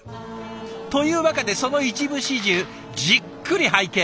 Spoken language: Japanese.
というわけでその一部始終じっくり拝見。